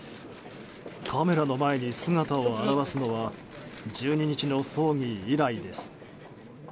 カメラの前に姿を現すのは１２日の葬儀以来です。